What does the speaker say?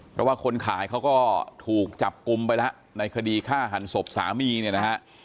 เพราะว่าคนขายเขาก็ถูกจับกลุ่มไปแล้วในคดีฆ่าหันศพสามีเนี่ยนะฮะ